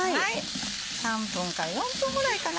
３分か４分ぐらいかな